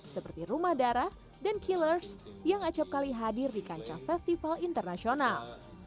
seperti rumah darah dan killers yang acapkali hadir di kancah festival internasional